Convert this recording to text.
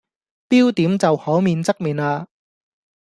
標點就可免則免喇